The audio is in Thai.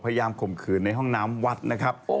ข่มขืนในห้องน้ำวัดนะครับ